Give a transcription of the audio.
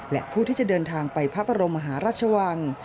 และผู้ที่จะเดินทางไปพระบรมมหาราชวัง